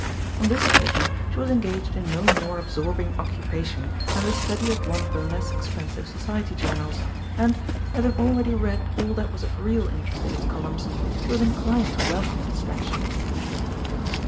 On this occasion she was engaged in no more absorbing occupation than the study of one of the less expensive Society journals, and, having already read all that was of real interest in its columns, she was inclined to welcome a distraction.